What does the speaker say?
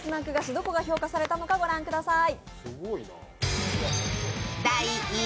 どこが評価されたのか御覧ください。